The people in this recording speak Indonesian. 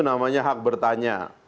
namanya hak bertanya